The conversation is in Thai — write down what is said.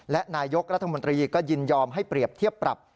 และนายกรัฐมนตรีก็ยินยอมให้เปรียบเทียบปรับ